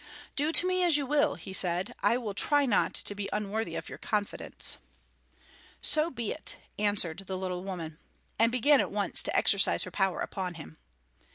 "Do to me as you will," he said, "I will try not to be unworthy of your confidence." "So be it," answered the little old woman, and began at once to exercise her power upon him.